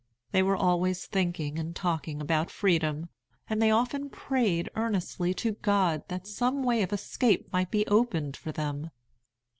They were always thinking and talking about freedom, and they often prayed earnestly to God that some way of escape might be opened for them.